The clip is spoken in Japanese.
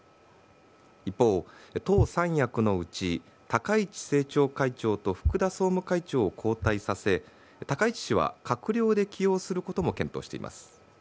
一方、党三役のうち高市政調会長と福田総務会長を交代させ高市氏は、閣僚で起用することも検討しています。